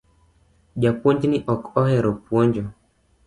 Japuonj ni ok ohero puonjo